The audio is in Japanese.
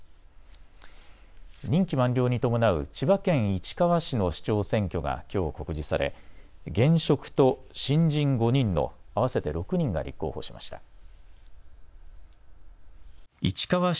任期満了に伴う千葉県市川市の市長選挙がきょう告示され、現職と新人５人の合わせて６人が立候補しました。